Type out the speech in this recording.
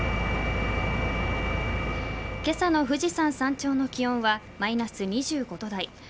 今朝の富士山山頂の気温はマイナス２５度台。